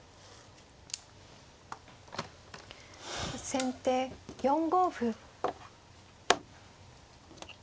先手４五歩。